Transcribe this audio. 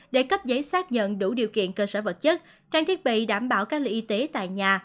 để cấp giấy xác nhận đủ điều kiện cơ sở vật chất trang thiết bị đảm bảo các lệ y tế tại nhà